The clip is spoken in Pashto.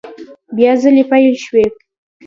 بیا ځلي پیل شوې